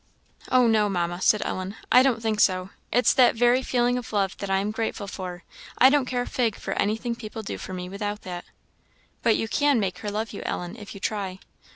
"Oh, no, Mamma," said Ellen, "I don't think so; it's that very feeling of love that I am grateful for; I don't care a fig for anything people do for me without that." "But you can make her love you, Ellen, if you try."